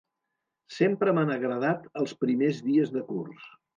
Sempre m'han agradat els primers dies de curs.